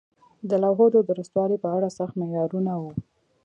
د لوحو د درستوالي په اړه سخت معیارونه وو.